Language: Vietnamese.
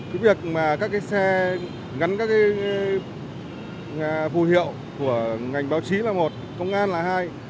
cái việc mà các cái xe gắn các cái phù hiệu của ngành báo chí là một công an là hai